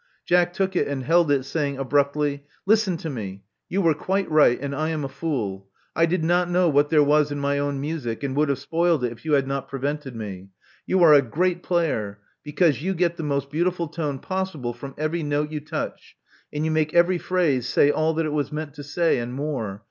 Jack took it and held it, saying .abruptly, '* Listen to me. You were quite right; and I am a fool. I did not know what there was in my own music, and would have spoiled it if you had not prevented me. You are a great player, because you get the most beautiful tone possible from every note you touch, and you make every phrase say all that it was meant to say, and more.